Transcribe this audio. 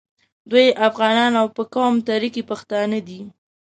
دوی افغانان او په قوم تره کي پښتانه دي.